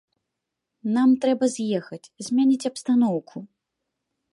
Нам трэба з'ехаць, змяніць абстаноўку.